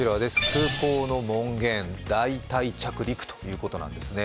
空港の門限、代替着陸ということなんですね。